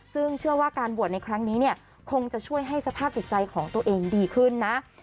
ซึ่งเชื่อว่าการบวชในครั้งนี้เนี่ยคงจะช่วยให้สภาพจิตใจของตัวเองดีขึ้นนะ